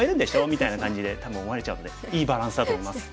みたいな感じで多分思われちゃうのでいいバランスだと思います。